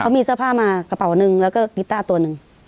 เขามีเสื้อผ้ามากระเป๋าหนึ่งแล้วก็กีต้าตัวหนึ่ง